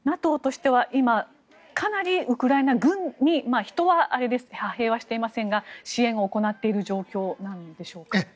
ＮＡＴＯとしては今、かなりウクライナ軍に人は派兵はしていませんが支援を行っている状況なんでしょうか。